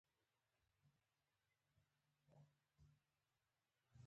ځیني معماوي له ساده تورو څخه جوړي سوي يي.